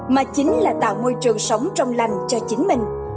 mà chính là tạo môi trường sống trong lành cho chính mình